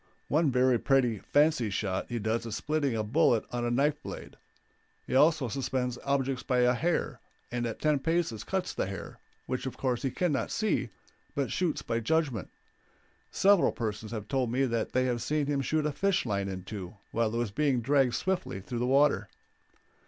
One very pretty fancy shot he does is splitting a bullet on a knife blade; he also suspends objects by a hair, and at ten paces cuts the hair, which of course he can not see, but shoots by judgment. Several persons have told me that they have seen him shoot a fish line in two while it was being dragged swiftly through the water.